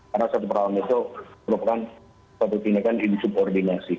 karena satu tawanan itu merupakan satu tindakan insubordinasi